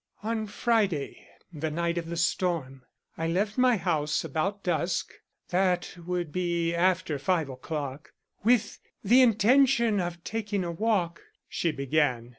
"On Friday, the night of the storm, I left my house about dusk that would be after five o'clock with the intention of taking a walk," she began.